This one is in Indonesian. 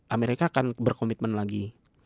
amerika akan berkomitmen lagi